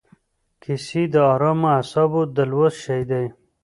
کیسې د ارامو اعصابو د لوست شی دی.